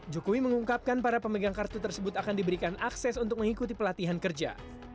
jokowi mengungkapkan para pemegang kartu tersebut akan diberikan akses untuk mengikuti pelatihan kerja